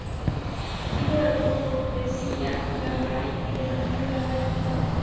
Hijo de Arturo Fontecilla Larraín y de Matilde Larraín Hurtado.